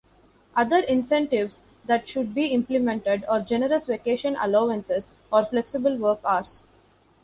Other incentives that should be implemented are generous vacation allowances or flexible work hours.